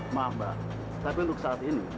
maaf mbak tapi untuk saat ini